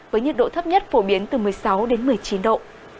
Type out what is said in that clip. với nhiệt độ thấp nhất phổ biến từ một mươi sáu đến một mươi chín độ